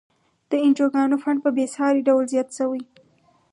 د انجوګانو فنډ په بیسارې ډول زیات شوی.